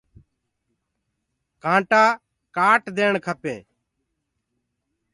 ڪآٽآ ڪآٽ ديڻ کپينٚ۔